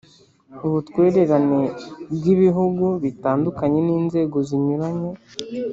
ubutwererane bw’ibihugu bitandukanye n’ inzego zinyuranye